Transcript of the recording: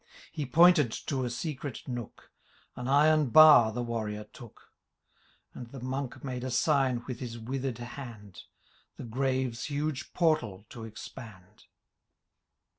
53 He pointed to a secret nook ; An iron bar the Warrior took ;^ And the Monk made a sign with his wither'*d hand, The gravels huge portal to expand.